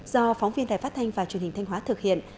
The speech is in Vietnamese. do phóng viên đài phát thanh và truyền hình thanh hóa thực hiện